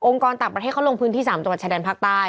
กรต่างประเทศเขาลงพื้นที่๓จังหวัดชายแดนภาคใต้